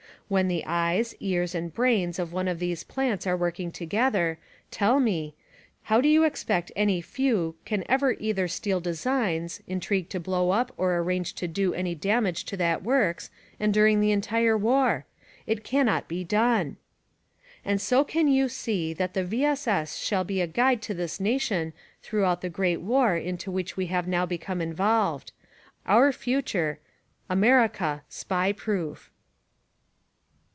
When the eyes, ears and brains of one of these plants are working together, tell me : How do you expect any few can ever either steal designs, intrigue to blow up or arrange to do any damage to that works and during the entire war? It cannot be done. And so can you see tliat the V. S. S. shall be the guide to this nation throughout the great war into which we have now become involved. Our future: America, SPY PROOF.